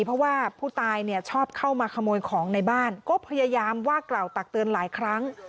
เพราะว่าผู้ตายเนี่ยชอบเข้ามาขโมยของในบ้านก็พยายามว่ากล่าวตักเตือนหลายครั้ง